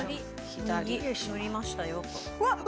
左右乗りましたよと。